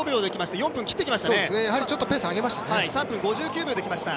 やはりちょっとペースを上げましたね。